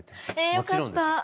えよかった。